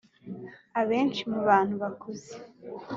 Abenshi mu bantu bakuze